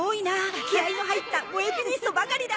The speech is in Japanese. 気合の入ったもえピニストばかりだ！